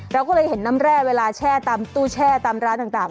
เราก็เลยเห็นน้ำแร่เวลาแช่ตามตู้แช่ตามร้านต่าง